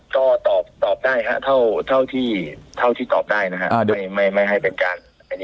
ก็ตอบได้ครับเท่าที่ตอบได้นะฮะไม่ให้เป็นการ